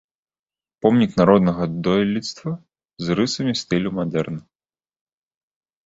Помнік народнага дойлідства з рысамі стылю мадэрн.